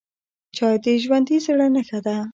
چای د ژوندي زړه نښه ده